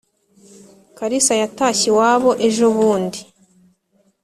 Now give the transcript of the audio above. kalisa yatashye iwabo ejobundi